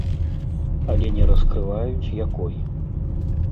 Але не раскрываюць, якой.